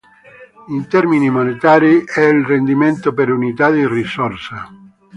In termini monetari è il rendimento per unità di risorsa.